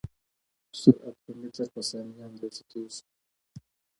سرعت په متر په ثانیه اندازه کېږي.